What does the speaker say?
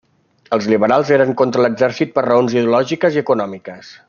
Els liberals eren contra l'exèrcit per raons ideològiques i econòmiques.